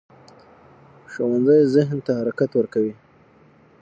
ښوونځی ذهن ته حرکت ورکوي